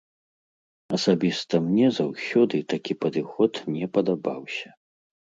Асабіста мне заўсёды такі падыход не падабаўся.